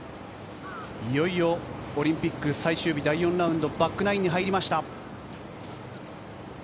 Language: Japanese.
いよいよオリンピック最終日、第４ラウンド、バックナインに入りました。